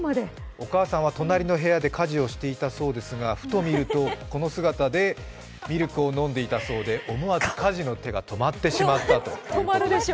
お母さんは隣の部屋で火事をしていたそうですがふと見ると、この姿でミルクを飲んでいたそうで、思わず家事の手が止まってしまったそうです。